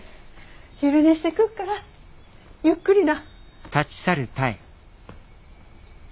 昼寝してくっからゆっくりな。